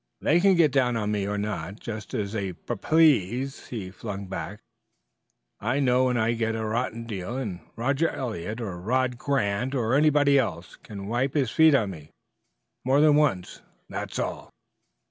"They can get down on me or not, just as they pup please!" he flung back. "I know when I get a rotten deal, and Roger Eliot, or Rod Grant, or anybody else can't wipe his feet on me more than once that's all!"